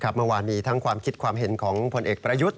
เมื่อวานมีทั้งความคิดความเห็นของผลเอกประยุทธ์